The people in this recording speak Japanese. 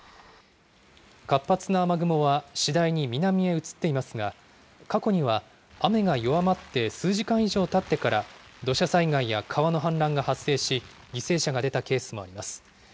活発な雨雲は次第に南へ移っていますが、過去には雨が弱まって数時間以上たってから、土砂災害や川の氾濫が発生し、犠牲者が出たケースもあります。